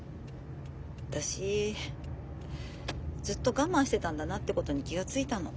私ずっと我慢してたんだなってことに気が付いたの。